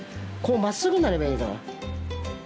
こうまっすぐになればいいから。